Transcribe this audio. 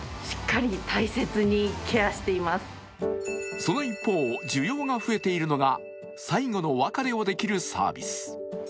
その一方、需要が増えているのが最期のお別れができるサービス。